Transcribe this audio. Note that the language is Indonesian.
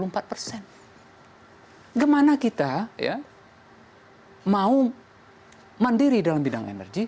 bagaimana kita mau mandiri dalam bidang energi